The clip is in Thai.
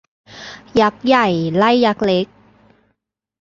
ยักษ์ใหญ่ ไล่ยักษ์เล็ก